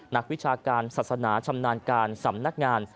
วิชาการศาสนาชำนาญการสำนักงาน